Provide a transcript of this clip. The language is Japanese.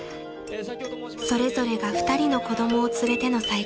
［それぞれが２人の子供を連れての再婚でした］